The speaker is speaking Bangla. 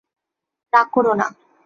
রাগ করো না।